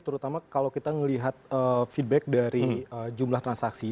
terutama kalau kita melihat feedback dari jumlah transaksi